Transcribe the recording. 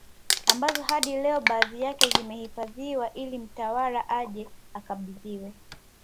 Ambazo hadi leo baadhi yake zimehifadhiwa ili mtawala ajaye akabidhiwe